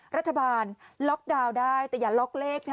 รัฐบาลล็อคดาวได้แต่อย่าล็อคเลขค่ะ